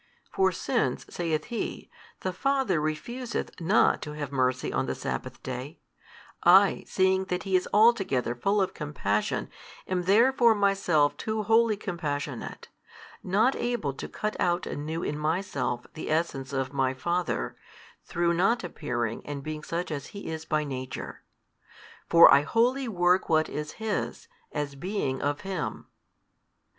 For since (saith He) the Father refuseth not to have mercy on the sabbath day, I, seeing that He is altogether full of compassion, am therefore Myself too wholly compassionate, not able to cut out anew in Myself the Essence of My Father, through not appearing and being such as He is by Nature. For I wholly work what is His, as being of Him.